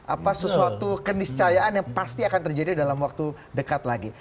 apa sesuatu keniscayaan yang pasti akan terjadi dalam waktu dekat lagi